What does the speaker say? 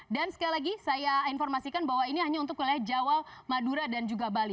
dan sekali lagi saya informasikan bahwa ini hanya untuk wilayah jawa madura dan juga bali